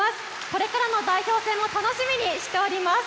これからの代表戦も楽しみにしております。